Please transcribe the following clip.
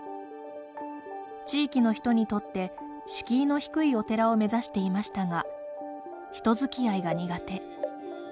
地域の人にとって敷居の低いお寺を目指していましたが人づきあいが苦手。